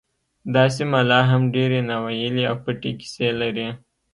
دا سیمه لا هم ډیرې ناوییلې او پټې کیسې لري